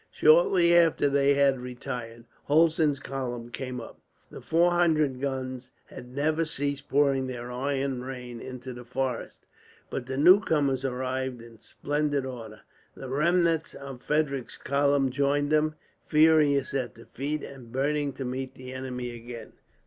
Shortly after they had retired, Hulsen's column came up. The four hundred guns had never ceased pouring their iron rain into the forest, but the newcomers arrived in splendid order. The remnant of Frederick's column joined them, furious at defeat and burning to meet the enemy again.